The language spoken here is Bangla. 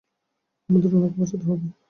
আমাদের ওনাকে বাঁচাতে হবে।